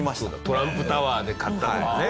トランプタワーで買ったとかね。